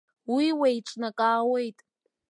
Уи уеиҿнакаауеит.